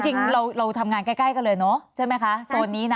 จริงเราทำงานใกล้กันเลยเนอะใช่ไหมคะโซนนี้นะ